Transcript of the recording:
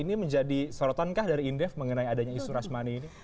ini menjadi sorotan kah dari indef mengenai adanya isu rashmani ini